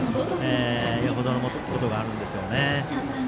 よほどのことがあるんですよね。